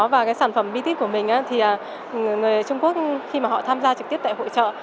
và cái sản phẩm bitit của mình thì người trung quốc khi mà họ tham gia trực tiếp tại hội trợ